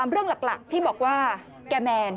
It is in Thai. เรื่องหลักที่บอกว่าแกแมน